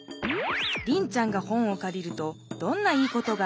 リンちゃんが本をかりるとどんないいことがある？